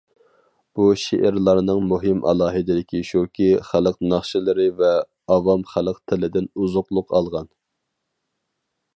بۇ شېئىرلارنىڭ مۇھىم ئالاھىدىلىكى شۇكى، خەلق ناخشىلىرى ۋە ئاۋام خەلق تىلىدىن ئوزۇقلۇق ئالغان.